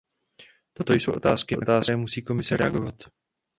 Toto jsou otázky, na které musí Komise reagovat.